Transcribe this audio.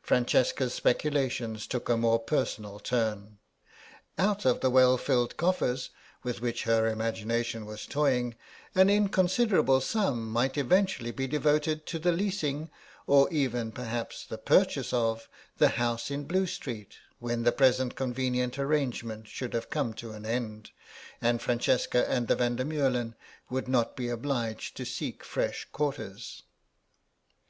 Francesca's speculations took a more personal turn. Out of the well filled coffers with which her imagination was toying, an inconsiderable sum might eventually be devoted to the leasing, or even perhaps the purchase of, the house in Blue Street when the present convenient arrangement should have come to an end, and Francesca and the Van der Meulen would not be obliged to seek fresh quarters.